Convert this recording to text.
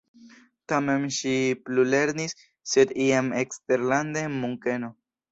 Tamen ŝi plulernis, sed jam eksterlande en Munkeno.